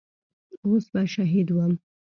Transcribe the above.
اوس به شهيد وم.